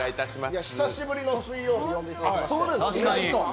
久しぶりの水曜日呼んでいただきまして。